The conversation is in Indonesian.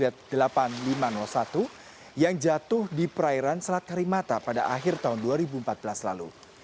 para pasukan telah menggunakan balon udara letra qz enam puluh delapan ribu lima ratus satu yang jatuh di perairan selat karimata pada akhir dua ribu empat belas lalu